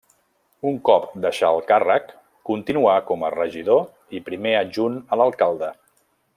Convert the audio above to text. Un cop deixà el càrrec, continuà com a regidor i primer adjunt a l'alcalde.